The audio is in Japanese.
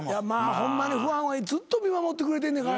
ホンマにファンはずっと見守ってくれてんねんからな。